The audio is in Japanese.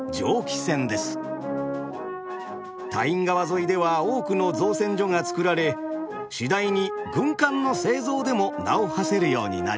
タイン川沿いでは多くの造船所が造られ次第に軍艦の製造でも名をはせるようになりました。